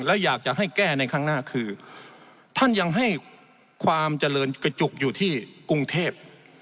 และอยากจะให้แก้ในข้างหน้าคือท่านยังให้ความเจริญกระจุกอยู่ที่กรุงเทพ